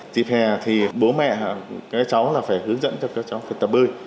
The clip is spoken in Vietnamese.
dịp hè thì bố mẹ các cháu là phải hướng dẫn cho các cháu thực tập bơi